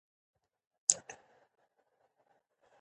علامه حبیبي د قدیمو نسخو مطالعه کړې ده.